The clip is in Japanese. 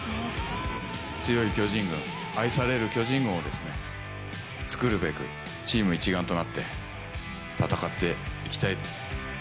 強い巨人軍、愛される巨人軍をですね、作るべく、チーム一丸となって、戦っていきたい。